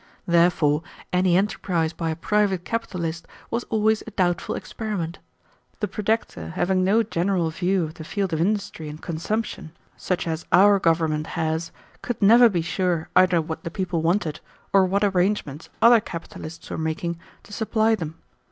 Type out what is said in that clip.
Therefore, any enterprise by a private capitalist was always a doubtful experiment. The projector having no general view of the field of industry and consumption, such as our government has, could never be sure either what the people wanted, or what arrangements other capitalists were making to supply them.